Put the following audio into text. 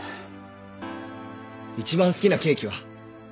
一番好きなケーキは？